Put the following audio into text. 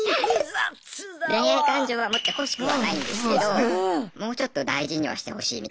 恋愛感情は持ってほしくはないんですけどもうちょっと大事にはしてほしいみたいな。